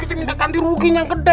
ini kita minta ganti rugi yang gede